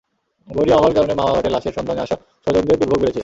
বৈরী আবহাওয়ার কারণে মাওয়া ঘাটে লাশের সন্ধানে আসা স্বজনদের দুর্ভোগ বেড়েছে।